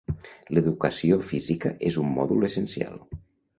L'educació física és un mòdul essencial.